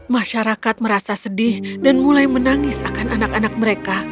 masyarakat merasa sedih dan mulai menangis akan anak anak mereka